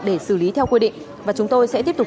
để xử lý theo quy định và chúng tôi sẽ tiếp tục